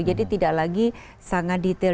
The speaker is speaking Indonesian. jadi tidak lagi sangat detail